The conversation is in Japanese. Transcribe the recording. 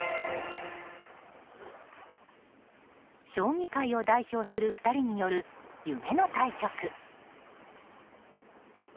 将棋界を代表する２人による夢の対局。